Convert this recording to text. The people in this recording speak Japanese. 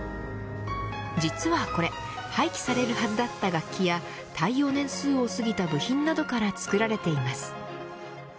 実はこれ廃棄されるはずだった楽器や対応年数を過ぎた部品などから作られています。